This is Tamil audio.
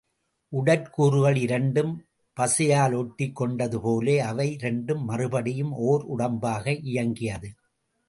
உடற் கூறுகள் இரண்டும் பசையால் ஒட்டிக் கொண்டதுபோல அவை இரண்டும் மறுபடியும் ஓர் உடம்பாக இயங்கியது.